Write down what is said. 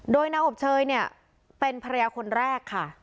โดยนางอบเชยเนี่ยเป็นภรรยาคนแรกค่ะ